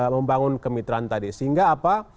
membangun kemitraan tadi sehingga apa